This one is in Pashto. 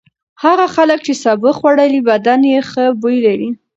هغه خلک چې سابه خوړلي بدن یې ښه بوی لري.